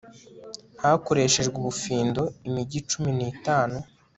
hakoreshejwe ubufindo imigi cumi n'itatu